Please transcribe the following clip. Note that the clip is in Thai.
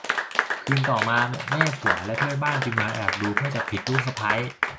คืนต่อมาแม่ผัวและเพื่อนบ้านจึงมาแอบดูเพื่อจับผิดลูกสะใภ้